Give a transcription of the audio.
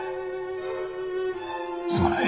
すまない。